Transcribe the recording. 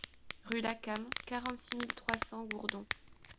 Rue Lacam, quarante-six mille trois cents Gourdon